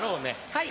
はい。